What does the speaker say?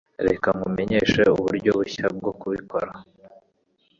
Reka nkumenyeshe uburyo bushya bwo kubikora.